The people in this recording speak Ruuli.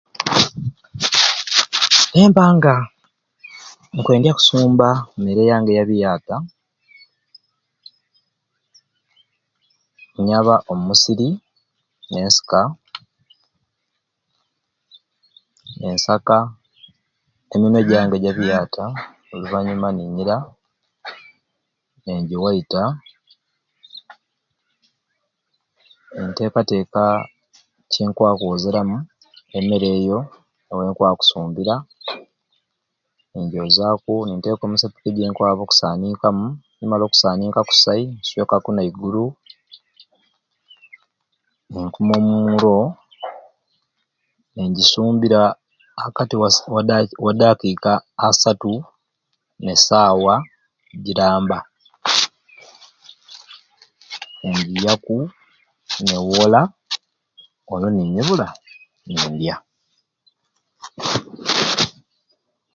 Nemba nga nkwendya kusumba mmere yange ya biyata, nyaba omusiri nensika nensaka eminywe jange ejja biyata oluvanyuma ninyiira ninjiwaita nentekateka ky'enkwakwozeramu emmere eyo now'enkwakusumbira ninjoozaku ninteka omusepiki jenkwakusaninkamu ninswekaku n'eiguru nenkuma omuuro nenjisumbira akati wa saa wa dakika asaatu ne saawa jiramba ninjiyaku newola olwo ninyibula nindya.